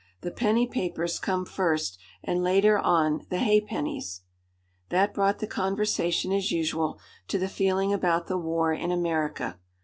The penny papers come first, and later on the ha'pennies!" That brought the conversation, as usual, to the feeling about the war in America.